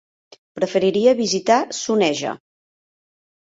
Preferiria visitar Soneja.